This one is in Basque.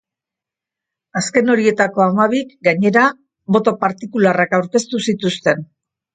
Azken horietako hamabik, gainera, boto partikularrak aurkeztu zituzten.